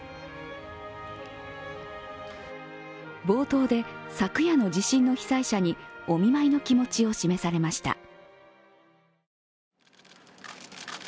冒頭で昨夜の地震の被災者にお見舞いの気持ちを示されました。